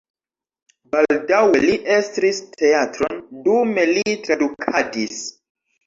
Baldaŭe li estris teatron, dume li tradukadis.